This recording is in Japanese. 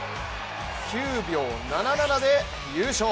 ９秒７７で優勝。